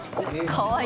かわいい。